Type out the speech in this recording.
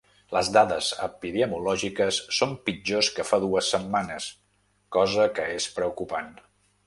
Les dades epidemiològiques són pitjors que fa dues setmanes, cosa que és preocupant.